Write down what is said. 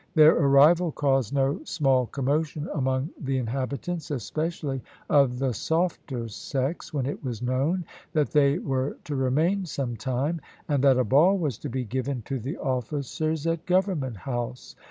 Their arrival caused no small commotion among the inhabitants, especially of the softer sex, when it was known that they were to remain some time, and that a ball was to be given to the officers at Government House.